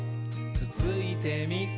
つついてみ？」